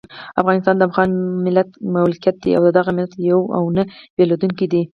افغانستان د افغان ملت ملکیت دی او دغه ملت یو او نه بېلیدونکی دی.